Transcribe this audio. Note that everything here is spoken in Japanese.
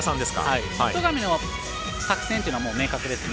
戸上の作戦というのは明確ですね。